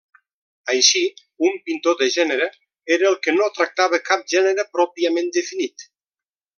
Així, un pintor de gènere era el que no tractava cap gènere pròpiament definit.